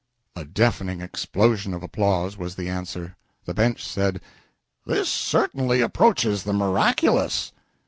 A deafening explosion of applause was the answer. The Bench said "This certainly approaches the miraculous!"